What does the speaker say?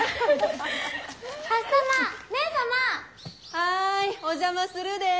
はいお邪魔するでぇ！